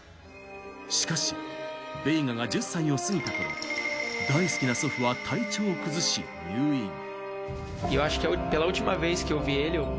しかし、ベイガが１０歳を過ぎた頃、大好きな祖父は体調を崩し入院。